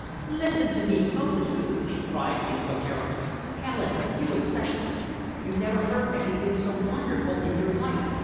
"Listen to me, both of you!" she cried incoherently. "Helen, you especially! You never heard anything so wonderful in your life!